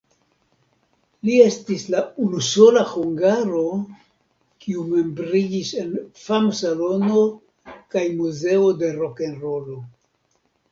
Li estis la unusola hungaro, kiu membriĝis en Fam-Salono kaj Muzeo de Rokenrolo.